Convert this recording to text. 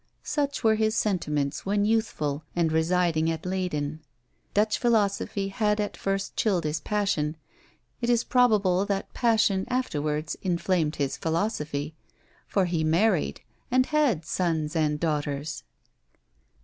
Such were his sentiments when youthful, and residing at Leyden; Dutch philosophy had at first chilled his passion; it is probable that passion afterwards inflamed his philosophy for he married, and had sons and daughters!